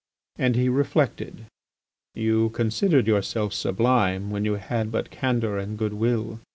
And he reflected: "You considered yourself sublime when you had but candour and good will.